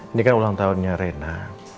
ini kan ulang tahunnya rena